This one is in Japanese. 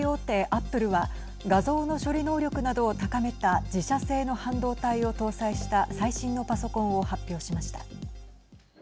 アップルは画像の処理能力などを高めた自社製の半導体を搭載した最新のパソコンを発表しました。